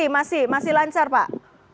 masih masih lancar pak